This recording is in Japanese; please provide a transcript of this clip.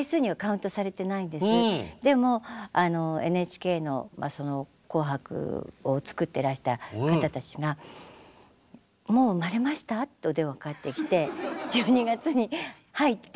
でもＮＨＫの「紅白」を作ってらした方たちが「もう産まれました？」ってお電話かかってきて１２月に入って。